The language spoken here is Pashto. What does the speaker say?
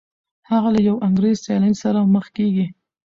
هغه له یو انګریز سیلاني سره مخ کیږي.